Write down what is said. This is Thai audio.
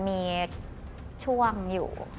สุดท้าย